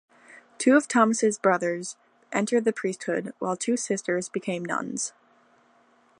Two of Thomas's brothers entered the priesthood, while two sisters became nuns.